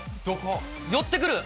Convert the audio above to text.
寄ってくる。